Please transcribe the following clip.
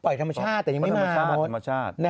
ปล่อยธรรมชาติแต่ยังไม่มาก